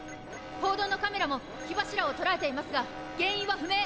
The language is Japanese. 報道のカメラも火柱を捉えていますが原因は不明。